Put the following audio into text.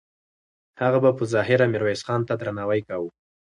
هغه به په ظاهره میرویس خان ته درناوی کاوه.